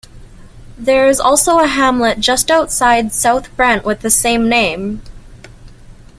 There is also a hamlet just outside South Brent with the same name.